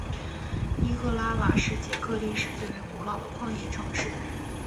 伊赫拉瓦是捷克历史最为古老的矿业城市。